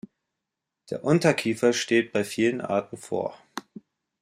Der Unterkiefer steht bei vielen Arten vor.